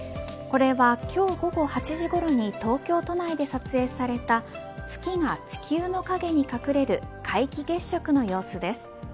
これは今日午後８時ごろに東京都内で撮影された月が地球の影に隠れる皆既月食の様子です。